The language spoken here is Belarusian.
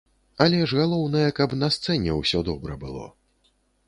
Але ж галоўнае, каб на сцэне ўсё добра было.